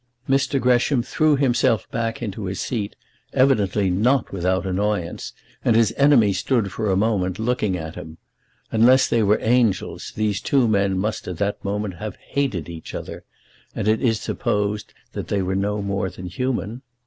Mr. Gresham threw himself back into his seat, evidently not without annoyance, and his enemy stood for a moment looking at him. Unless they were angels these two men must at that moment have hated each other; and it is supposed that they were no more than human.